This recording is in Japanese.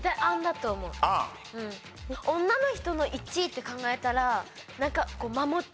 女の人の１位って考えたら。